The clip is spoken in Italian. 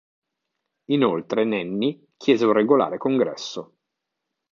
Inoltre Nenni chiese un regolare congresso.